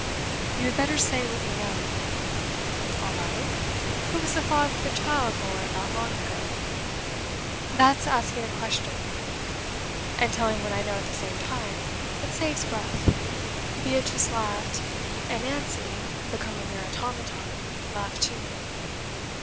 'You had better say what you know.' 'All right. Who was the father of the child born not long ago?' 'That's asking a question.' 'And telling what I know at the same time. It saves breath.' Beatrice laughed; and Nancy, become a mere automaton, laughed too.